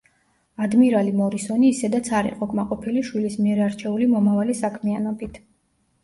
ადმირალი მორისონი ისედაც არ იყო კმაყოფილი შვილის მიერ არჩეული მომავალი საქმიანობით.